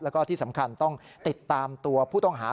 แล้วก็ที่สำคัญต้องติดตามตัวผู้ต้องหา